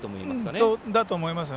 そうだと思います。